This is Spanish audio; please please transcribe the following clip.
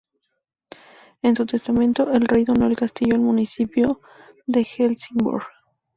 En su testamento, el rey donó el castillo al municipio de Helsingborg.